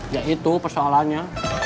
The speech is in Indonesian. ya itu persoalannya